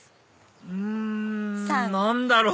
うん何だろう？